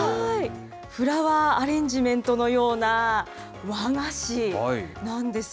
フラワーアレンジメントのような和菓子なんです。